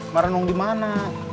merenung di mana